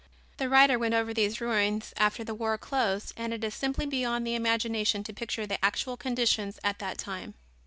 The writer went over these ruins after the war closed and it is simply beyond the imagination to picture the actual conditions at that time.